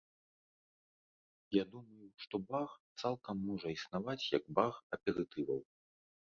Я думаю, што бар цалкам можа існаваць як бар аперытываў.